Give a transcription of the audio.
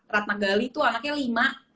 ratna gali itu anaknya lima